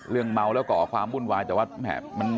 เรื่องเมาแล้วก่อความบุญวายแต่ว่าแหม่บ